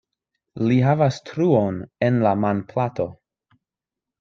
Li havas truon en la manplato.